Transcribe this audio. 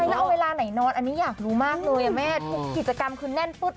ทำได้นะแม่